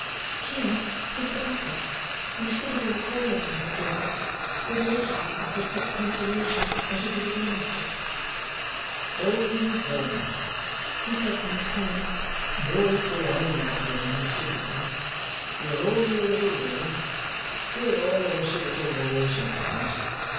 Here Mr. Bucket, who was sitting in a corner by the door, good naturedly offered such consolation as he could administer. "Come, come!" he said from his corner. "Don't go on in that way, Mr. Gridley. You are only a little low. We are all of us a little low sometimes.